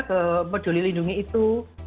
ke peduli lindungi itu